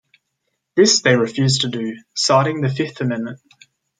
This they refused to do, citing the Fifth Amendment.